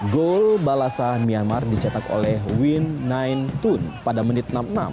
gol balasan myanmar dicetak oleh win sembilan pada menit enam puluh enam